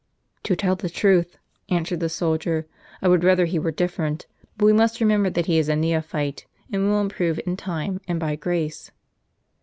" To tell the truth," answered the soldier, " I would rather he were different ; but we must remember that he is a neo phyte, and will improve in time, and by grace."